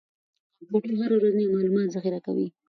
کمپیوټر هره ورځ نوي معلومات ذخیره کوي.